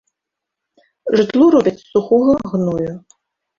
Жытло робяць з сухога гною.